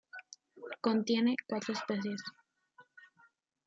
Contiene cuatro especies